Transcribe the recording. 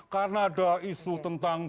karena ada isu tentang